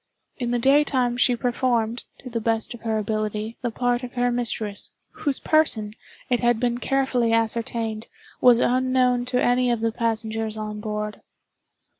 In the daytime she performed, to the best of her ability, the part of her mistress—whose person, it had been carefully ascertained, was unknown to any of the passengers on board.